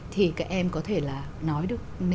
thì các em có thể là nói được